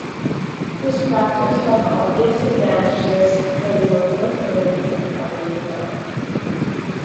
This practice has obvious advantages for the local authority and property developer.